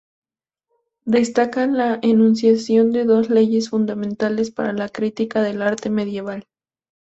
Destaca la enunciación de dos leyes fundamentales para la crítica del arte medieval.